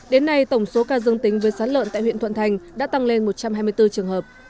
đến nay tổng số ca dương tính với sán lợn tại huyện thuận thành đã tăng lên một trăm hai mươi bốn trường hợp